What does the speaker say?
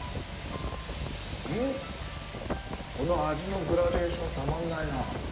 この味のグラデーションたまんないな。